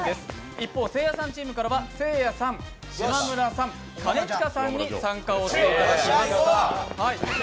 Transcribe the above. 一方、せいやさんチームからはせいやさん、島村さん、兼近さんに参加をしていただきます。